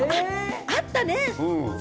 あったね。